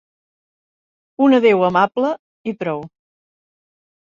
Un adéu amable i prou.